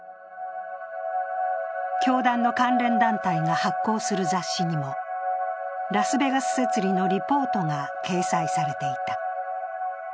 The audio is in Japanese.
教団の関連団体が発行する雑誌にもラスベガス摂理のリポートが掲載されていた。